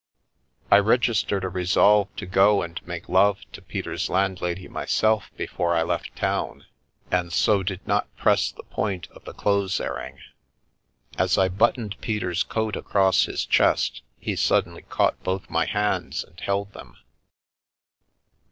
I registered a resolve to go and make love to Peter's landlady myself before I left town, and so did not press the point of the clothes airing. As I buttoned Peter's coat across his chest, he suddenly caught both my hands and held them.